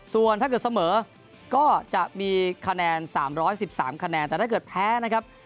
ส่วนถ้าเกิดเสมอก็จะมีคะแนน๓๑๓คะแนนแต่ถ้าเกิดแพ้นะครับ